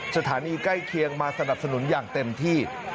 สถานีใกล้เคียงมาสนับสนุนอย่างเต็มที่